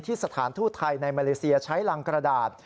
สถานทูตไทยในมาเลเซียใช้รังกระดาษ